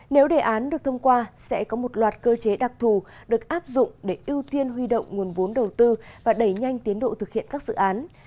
nếu đề án được thông qua sẽ có một loạt cơ chế đặc thù được áp dụng để ưu tiên huy động nguồn vốn đầu tư và đẩy nhanh tiến độ thực hiện các dự án